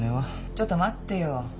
「ちょっと待ってよ。